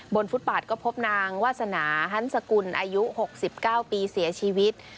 ฟุตบาทก็พบนางวาสนาฮันสกุลอายุ๖๙ปีเสียชีวิต